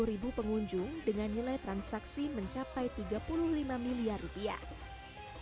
menargetkan empat puluh pengunjung dengan nilai transaksi mencapai tiga puluh lima miliar rupiah